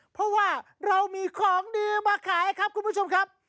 เพราะว่าเรามีของดีมาขายครับคุณผู้ชมครับ